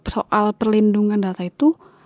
soal perlindungan data itu